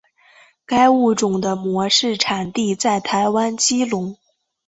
该物种的模式产地在台湾基隆。